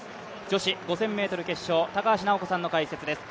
女子５０００ｍ決勝、高橋尚子さんの解説です。